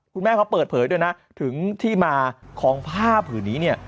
คุณแม่เขาเปิดเผยด้วยนะถึงที่มาของผ้าผืนนี้เนี่ย